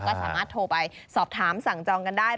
ก็สามารถโทรไปสอบถามสั่งจองกันได้